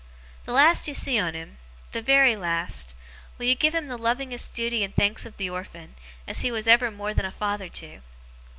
The last you see on him the very last will you give him the lovingest duty and thanks of the orphan, as he was ever more than a father to?